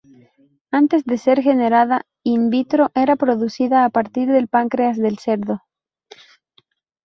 Antes de ser generada in vitro era producida a partir del páncreas del cerdo.